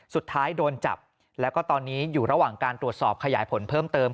สุดท้ายโดนจับแล้วก็ตอนนี้อยู่ระหว่างการตรวจสอบขยายผลเพิ่มเติม